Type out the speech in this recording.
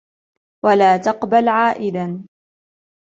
وَلَا تَقْبَلُ عَائِدًا